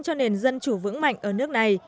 cho nền dân chủ vững mạnh ở nước này